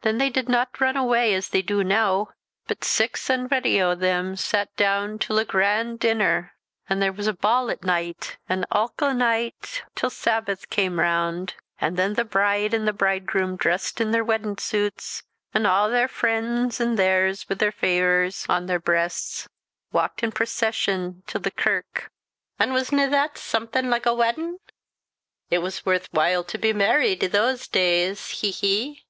Than they did nae run awa as they du noo, but sax an't hretty o' them sat doon till a graund denner, and there was a ball at night, an' ilka night till Sabbath cam' roond; an' than the bride an' the bridegroom, drest in their waddin suits, an' aw their freends 'n theirs, wi' their favours on their breests, walkit in procession till the kirk. An' was nae that something like a waddin? It was worth while to be married i' thae days he, he!"